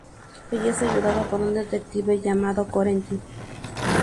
Ella es ayudada por un detective llamado "Corentin".